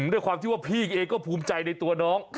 ด้วยความที่ว่าพี่เองก็ภูมิใจในตัวน้อง